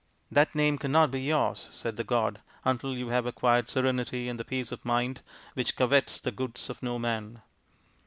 " That name cannot be yours," said the god, " until you have acquired serenity and the peace of mind which covets the goods of no man.